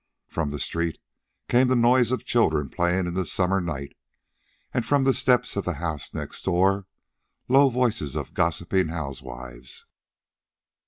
From the street came the noise of children playing in the summer night, and from the steps of the house next door the low voices of gossiping housewives.